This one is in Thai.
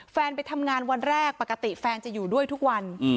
ไปทำงานวันแรกปกติแฟนจะอยู่ด้วยทุกวัน